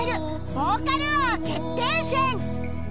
ヴォーカル王決定戦